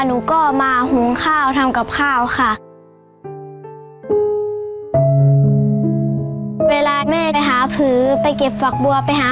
หนูก็เสียใจค่ะที่ไม่มีพ่อมีแม่เหมือนเพื่อนค่ะ